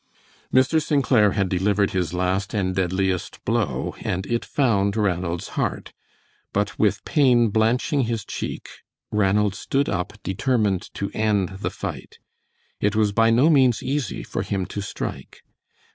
Mr. St. Clair had delivered his last and deadliest blow and it found Ranald's heart, but with pain blanching his cheek Ranald stood up determined to end the fight. It was by no means easy for him to strike.